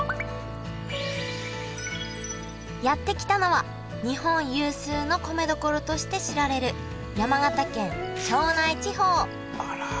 やって来たのは日本有数の米どころとして知られる山形県庄内地方あらきれいだね。